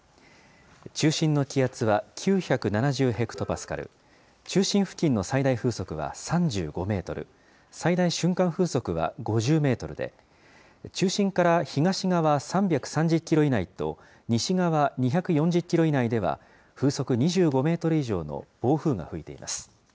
中心の気圧は９７０ヘクトパスカル、中心付近の最大風速は３５メートル、最大瞬間風速は５０メートルで、中心から東側３３０キロ以内と、西側２４０キロ以内では、風速２５メートル以上の暴風が吹いています。